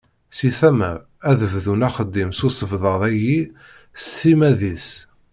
Seg tama, ad bdun axeddim n usebddad-agi s timmad-is.